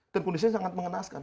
dan kondisinya sangat mengenaskan